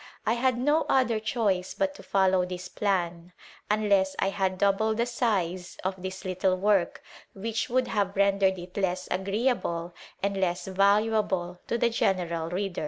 I had no other choice but to follow this plan, unless I had doubled the size of this little work, which would have rendered it less agreeable and less valuable to the general reader.